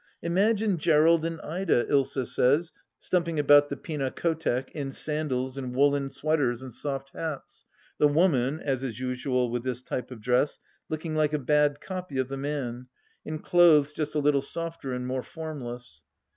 Imagine Grerald and Ida, Ilsa says, stumping about the Pinakothek in sandals and woollen sweaters and soft hats, the woman, as is usual with this type of dress, looking like a bad copy of the man, in clothes just a little softer and more formless.